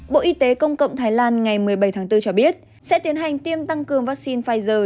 bộ y tế công cộng thái lan ngày một mươi bảy tháng bốn cho biết sẽ tiến hành tiêm tăng cường vaccine pfizer